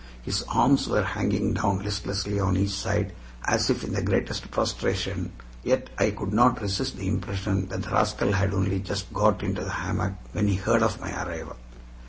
His arms were hanging down listlessly on each side as if in the greatest prostration, yet I could not resist the impression that the rascal had only just got into the hammock when he heard of my arrival.